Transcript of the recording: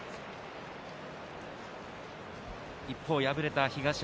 一方、敗れた東山。